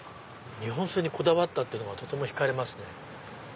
日本製にこだわったっていうのがとても引かれますね。